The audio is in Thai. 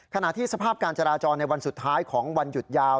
ขณะที่สภาพการจราจรในวันสุดท้ายของวันหยุดยาว